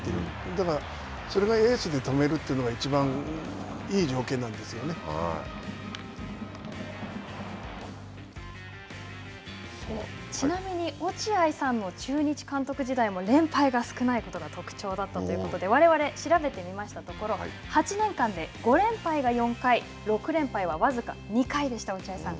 だから、それがエースで止めるというのがちなみに落合さんの中日監督時代も連敗が少ないことが特徴だったということで、われわれ調べてみましたところ８年間で、５連敗が４回、６連敗は、僅か２回でした、落合さん。